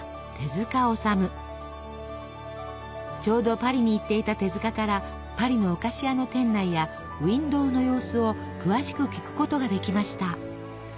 ちょうどパリに行っていた手からパリのお菓子屋の店内やウインドーの様子を詳しく聞くことができました。